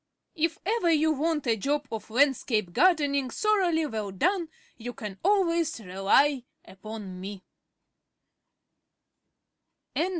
If ever you want a job of landscape gardening thoroughly well done, you can always rely upon me.